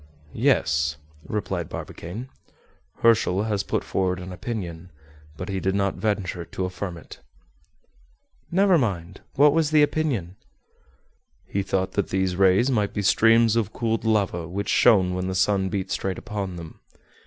"Yes," replied Barbicane; "Herschel has put forward an opinion, but he did not venture to affirm it." "Never mind. What was the opinion?" "He thought that these rays might be streams of cooled lava which shone when the sun beat straight upon them.